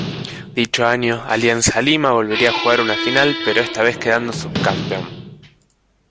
Dicho año, Alianza Lima volvería a jugar una final, pero esta vez quedando subcampeón.